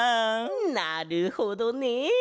なるほどね！